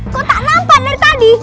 kok tak nampak dari tadi